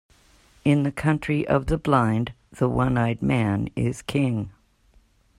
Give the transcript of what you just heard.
In the country of the blind, the one-eyed man is king.